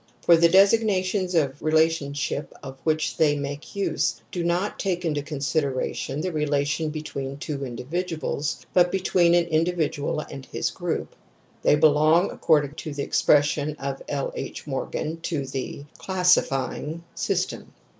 For the designations of relationship of which they make use do not take into considera tion the relationship between two individuals, but between an individual and his group ; they belong, according to the expression of L. H. Morgan, to the ' classifying ' system.